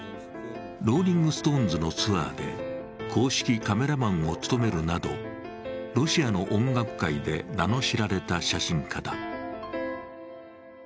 ローリング・ストーンズのツアーで公式カメラマンを務めるなどロシアの音楽界で名の知られた写真家だ。